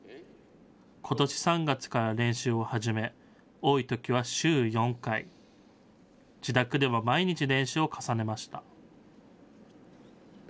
ことし３月から練習を始め、多いときは週４回、自宅では毎日練習を重ねました。